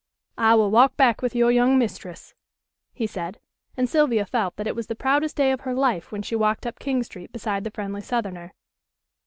"I will walk back with your young mistress," he said, and Sylvia felt that it was the proudest day of her life when she walked up King Street beside the friendly southerner.